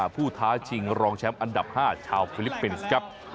ผู้ท้าชิงรองแชมป์อันดับ๕ชาวฟิลิปปินส์ครับ